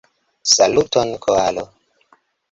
Saluton, koalo!